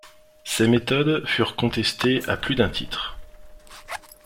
Ses méthodes furent contestées à plus d'un titre.